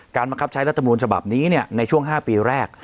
บังคับใช้รัฐมนูลฉบับนี้ในช่วง๕ปีแรก